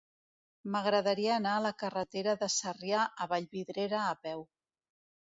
M'agradaria anar a la carretera de Sarrià a Vallvidrera a peu.